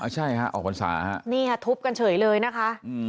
ใช่ค่ะออกบนสานี่ค่ะทุบกันเฉยเลยนะคะ